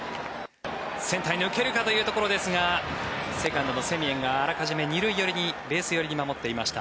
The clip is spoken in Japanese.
センターに抜けるかというところですがセカンドのセミエンがあらかじめ２塁寄りベース寄りに守っていました。